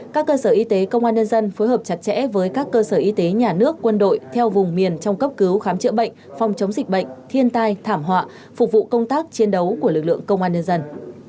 các cơ sở y tế công an nhân dân phối hợp chặt chẽ với các cơ sở y tế nhà nước quân đội theo vùng miền trong cấp cứu khám chữa bệnh phòng chống dịch bệnh thiên tai thảm họa phục vụ công tác chiến đấu của lực lượng công an nhân dân